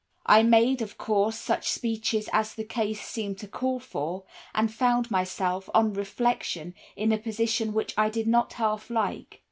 "I made, of course, such speeches as the case seemed to call for, and found myself, on reflection, in a position which I did not half like.